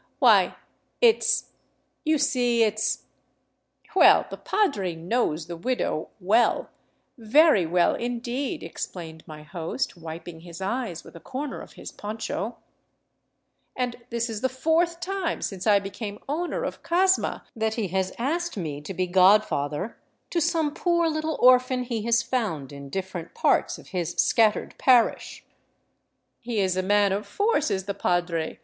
" Why, it 's — you see it 's — well, the padre knows the widowj well, very well indeed," explained my host, wiping his eyes with comer of his poncho, " and this is the fourth time since I became owner of Casma that he has asked me to be godfather to some pool little orphan he has found in different parts of his scattered parish? He is a man of force, is the padre.